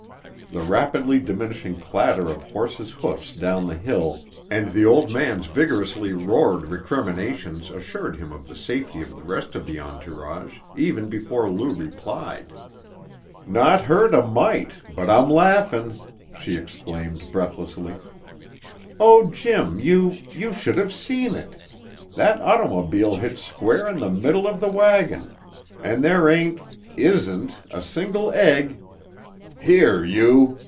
The rapidly diminishing clatter of horses' hoofs down the hill, and the old man's vigorously roared recriminations assured him of the safety of the rest of the entourage even before Lou replied. "Not hurt a mite, but I'm laughin'!" she exclaimed breathlessly. "Oh, Jim, you you should have seen it. That ottermobile hit square in the middle of the wagon, and there ain't isn't a single egg " "Here, you!"